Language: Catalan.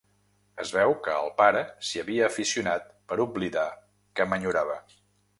Es veu que el pare s'hi havia aficionat per oblidar que m'enyorava.